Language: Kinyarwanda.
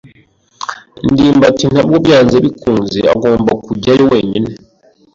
ndimbati ntabwo byanze bikunze agomba kujyayo wenyine.